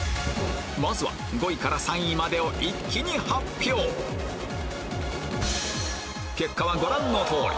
まずは５位から３位までを一気に発表結果はご覧の通り